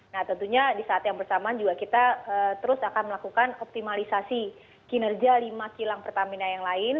nah tentunya di saat yang bersamaan juga kita terus akan melakukan optimalisasi kinerja lima kilang pertamina yang lain